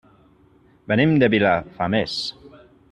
Venim de Vilafamés.